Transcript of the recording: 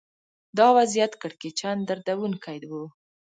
دا وضعیت کړکېچن دردونکی و